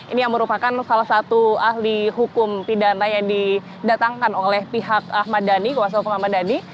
ini yang merupakan salah satu ahli hukum pidana yang didatangkan oleh pihak ahmad dhani kuasa hukum ahmad dhani